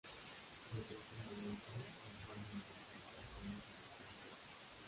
Desde ese momento viajó en numerosas ocasiones al extranjero.